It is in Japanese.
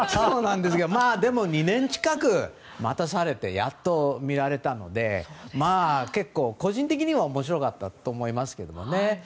でも、２年近く待たされてやっと見られたので結構、個人的には面白かったと思いますけれどもね。